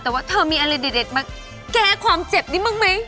แต่ว่าเธอมีอะไรเด็ดมาแก้ความเจ็บนี้บ้างไหม